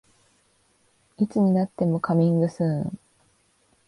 いつになってもカミングスーン